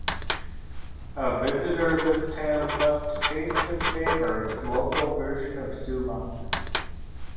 A visitor this town must taste and savor its local version of Suman.